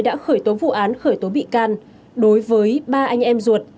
đã khởi tố vụ án khởi tố bị can đối với ba anh em ruột